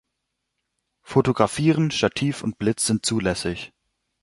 Fotografieren, Stativ und Blitz sind zulässig.